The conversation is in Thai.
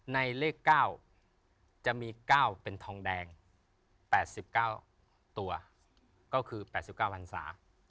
เลข๙จะมี๙เป็นทองแดง๘๙ตัวก็คือ๘๙พันศา